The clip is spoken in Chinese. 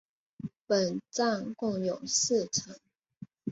本站共有四层。